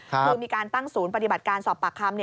คือมีการตั้งศูนย์ปฏิบัติการสอบปากคำ